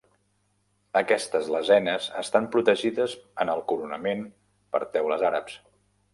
Aquestes lesenes estan protegides en el coronament per teules àrabs.